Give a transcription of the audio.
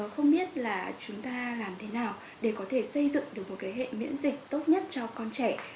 không biết là chúng ta làm thế nào để có thể xây dựng được một hệ miễn dịch tốt nhất cho con trẻ